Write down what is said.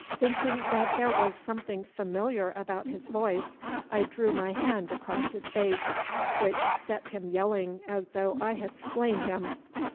Thinking that there was something familiar about his voice, I drew my hand across his face, which set him yelling as though I had slain him.